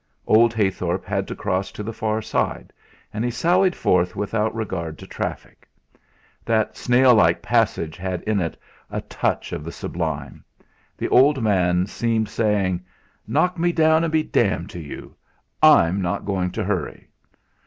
Old Heythorp had to cross to the far side, and he sallied forth without regard to traffic. That snail like passage had in it a touch of the sublime; the old man seemed saying: "Knock me down and be d d to you I'm not going to hurry."